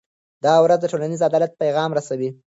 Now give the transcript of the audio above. دا ورځ د ټولنیز عدالت پیغام رسوي.